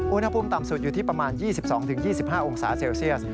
อุณหภูมิต่ำสุดอยู่ที่ประมาณ๒๒๒๕องศาเซลเซียส